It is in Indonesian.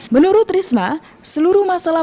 menurut risma seluruh masalah